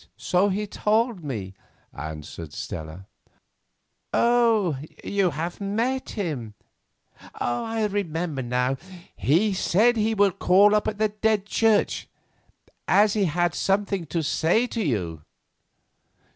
"So he told me," answered Stella. "Oh, you have met him. I remember; he said he should call in at the Dead Church, as he had something to say to you."